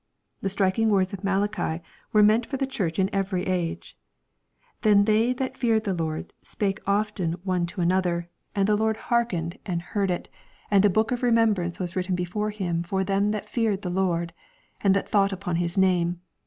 The striking words of Malachi were meant for the Church in every age ;—'^ Then they that feared the Lord spake often one to another : and the LUKE, CHAP. XXIV. 499 Lord hearkened, and heard it, and a book of remem brance was written before him for them that feared the Lord, and that thought upon His name.